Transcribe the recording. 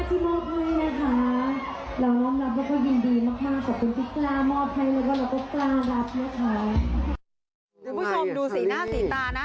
คุณผู้ชมดูสีหน้าสีตานะ